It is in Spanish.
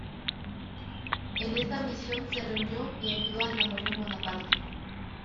En esta misión se reunió y ayudó a Napoleón Bonaparte.